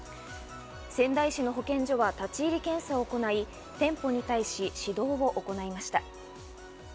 仙台市の保健所は立ち入り検査を行い、店舗に対し指導を行いました。